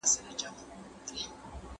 محمود خان خپل اکا د بې غیرتۍ له امله وواژه.